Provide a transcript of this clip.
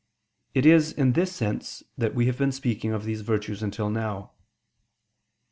It is in this sense that we have been speaking of these virtues until now.